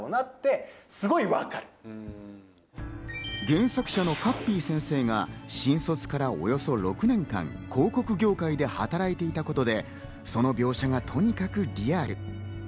原作者のかっぴー先生が新卒からおよそ６年間、広告業界で働いていたことで、その描写がとにかくリアル。